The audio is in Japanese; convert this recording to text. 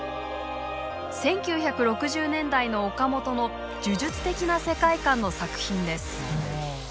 １９６０年代の岡本の呪術的な世界観の作品です。